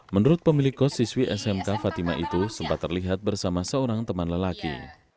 menurut pemilik kos siswi smk fatima itu sempat terlihat bersama seorang teman lelaki